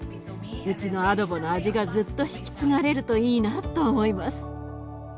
うちのアドボの味がずっと引き継がれるといいなと思います。